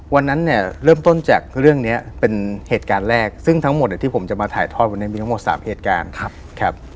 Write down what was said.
วันนั้นเนี่ยเริ่มต้นจากเรื่องนี้เป็นเหตุการณ์แรกซึ่งทั้งหมดที่ผมจะมาถ่ายทอดวันนี้มีทั้งหมด๓เหตุการณ์ครับ